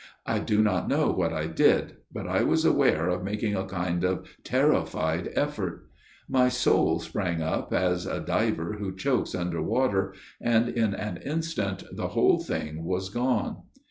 ... I do not know what I did ; but I was aware of making a kind of terrified effort. My soul sprang up, as a diver who chokes under water ; and in an instant the whole thing was gone.